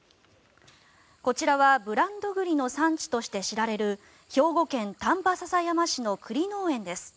こちらはブランド栗の産地として知られる兵庫県丹波篠山市の栗農園です。